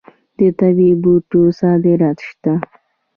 د طبي بوټو صادرات شته.